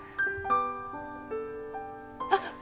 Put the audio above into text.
あっ！